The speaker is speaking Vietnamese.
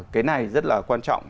cái này rất là quan trọng